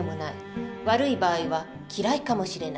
悪い場合は嫌いかもしれない。